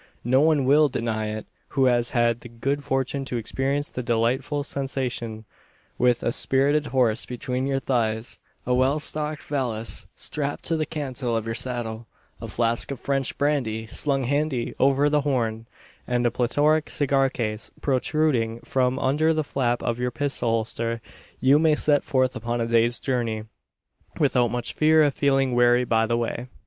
No one will deny it, who has had the good fortune to experience the delightful sensation. With a spirited horse between your thighs, a well stocked valise strapped to the cantle of your saddle, a flask of French brandy slung handy over the "horn," and a plethoric cigar case protruding from under the flap of your pistol holster, you may set forth upon a day's journey, without much fear of feeling weary by the way.